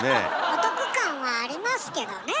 お得感はありますけどね。